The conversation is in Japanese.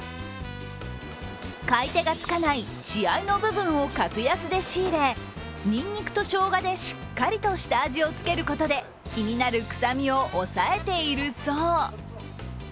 買い手がつかない血合いの部分を格安で仕入れにんにくとしょうがでしっかりと下味をつけることで、気になる臭みを抑えているそう。